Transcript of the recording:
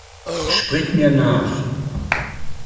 Sprich mir nach!